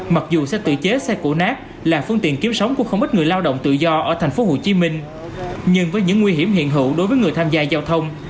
mặc dù xe tự chế xe cổ nát là phương tiện kiếm sống của không ít người lao động tự do ở thành phố hồ chí minh nhưng với những nguy hiểm hiện hữu đối với người tham gia giao thông